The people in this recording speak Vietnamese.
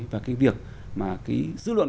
và cái việc mà cái dư luận